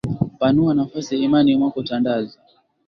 Panua nafasi imani mwako Tandaza